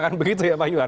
kan begitu ya pak yanuar